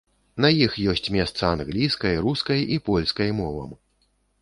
На іх ёсць месца англійскай, рускай і польскай мовам.